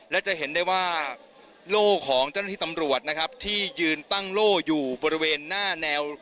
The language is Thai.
และจะเห็นได้ว่าโล่ของเจ้าหน้าที่ตำรวจนะครับที่ยืนตั้งโล่อยู่บริเวณหน้าแนว